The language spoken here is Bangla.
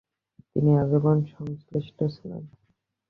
তিনি আজীবন সংশ্লিষ্ট ছিলেন।